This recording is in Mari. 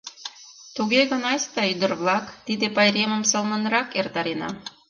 Туге гын айста, ӱдыр-влак, тиде пайремым сылнынрак эртарена!